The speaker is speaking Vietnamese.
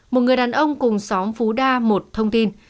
một người đàn ông cùng xóm phú đa một thông tin